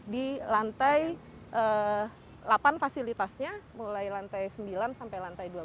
di lantai delapan fasilitasnya mulai lantai sembilan sampai lantai dua belas